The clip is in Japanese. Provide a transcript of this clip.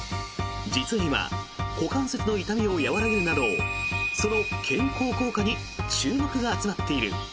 実は今股関節の痛みを和らげるなどその健康効果に注目が集まっている。